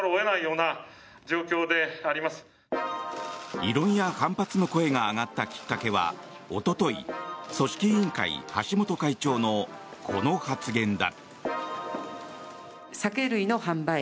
異論や反発の声が上がったきっかけはおととい、組織委員会橋本会長のこの発言だ。